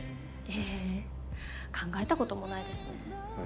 え考えたこともないですね。